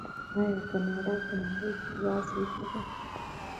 آیا کاناډا په نړۍ کې یوازې نه ده؟